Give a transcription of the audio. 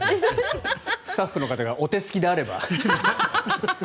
スタッフの方がお手すきであれば。